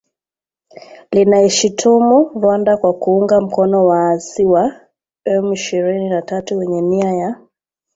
linaishutumu Rwanda kwa kuunga mkono waasi wa M ishirini na tatu wenye nia ya